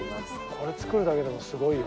これ造るだけでもすごいよ。